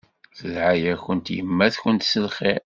Tedɛa-yakent yemma-tkent s lxir.